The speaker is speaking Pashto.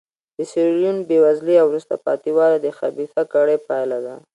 د سیریلیون بېوزلي او وروسته پاتې والی د خبیثه کړۍ پایله ده.